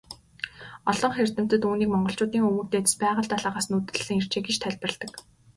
Олонх эрдэмтэд үүнийг монголчуудын өвөг дээдэс Байгал далайгаас нүүдэллэн иржээ гэж тайлбарладаг.